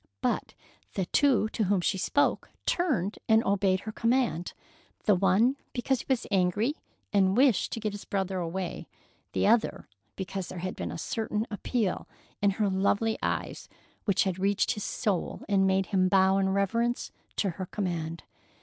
But the two to whom she spoke turned and obeyed her command, the one because he was angry and wished to get his brother away, the other because there had been a certain appeal in her lovely eyes which had reached his soul and made him bow in reverence to her command.